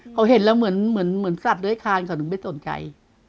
เขาเห็นแล้วเหมือนสัตว์ด้วยคางั้นไม่สนใจ